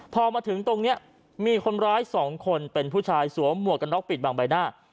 พอมาถึงตรงนี้มีคนร้าย๒คนเป็นผู้ชายสวมหมวกกันน็อกปิดบางใบหน้า